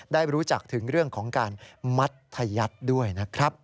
ได้รู้จักถึงเรื่องของการมัธยัดด้วยนะครับ